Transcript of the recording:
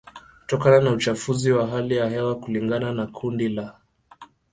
kutokana na uchafuzi wa hali ya hewa kulingana na kundi la